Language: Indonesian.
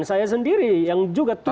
saya sendiri yang juga